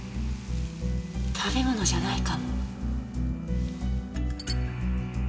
食べ物じゃないかも。